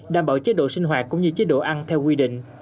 đảm bảo chế độ sinh hoạt cũng như chế độ ăn theo quy định